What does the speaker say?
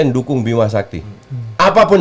dukung bimah sakti apapun